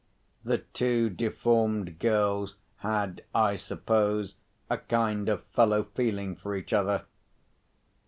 The two deformed girls had, I suppose, a kind of fellow feeling for each other.